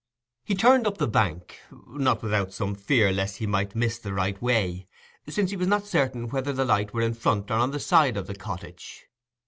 He turned up the bank, not without some fear lest he might miss the right way, since he was not certain whether the light were in front or on the side of the cottage.